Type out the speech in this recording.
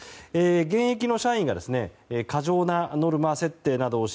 現役の社員が過剰なノルマ設定などをし